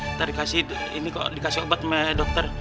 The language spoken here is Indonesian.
kita dikasih ini kok dikasih obat sama dokter